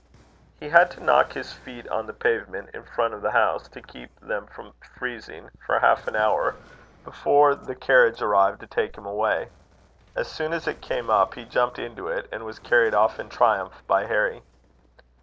He had to knock his feet on the pavement in front of the house, to keep them from freezing, for half an hour, before the carriage arrived to take him away. As soon as it came up, he jumped into it, and was carried off in triumph by Harry.